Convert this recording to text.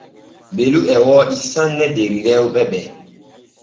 Belu e wooɗi sanne der rewɓe ɓe.